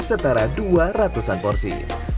setara dua ratus an porsi